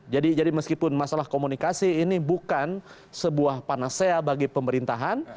jadi meskipun masalah komunikasi ini bukan sebuah panasea bagi pemerintahan